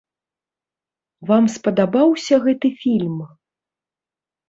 Вам спадабаўся гэты фільм?